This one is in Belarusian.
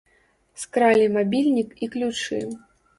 Скралі мабільнік і ключы.